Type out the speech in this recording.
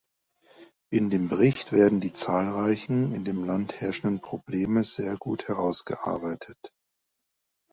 In dem Bericht werden die zahlreichen, in dem Land herrschenden Probleme sehr gut herausgearbeitet.